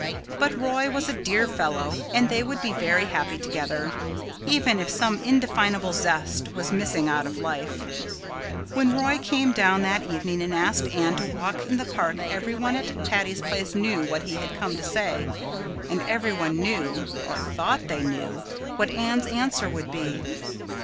But Roy was a dear fellow and they would be very happy together, even if some indefinable zest was missing out of life. When Roy came down that evening and asked Anne to walk in the park every one at Patty's Place knew what he had come to say; and every one knew, or thought they knew, what Anne's answer would be.